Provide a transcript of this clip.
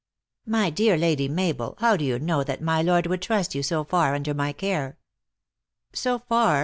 " My dear Lady Mabel, how do you know that my lord would trust you so far under my care? "So far!"